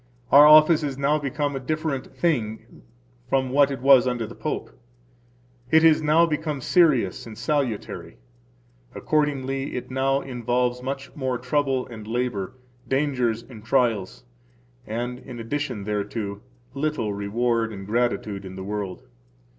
Our office is now become a different thing from what it was under the Pope; it is now become serious and salutary. Accordingly, it now involves much more trouble and labor, danger and trials, and, in addition thereto, little reward and gratitude in the world.